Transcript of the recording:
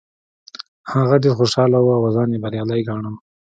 هغه ډیر خوشحاله و او ځان یې بریالی ګاڼه.